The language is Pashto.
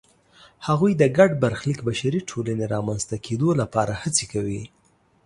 هغوی د ګډ برخلیک بشري ټولنې رامنځته کېدو لپاره هڅې کوي.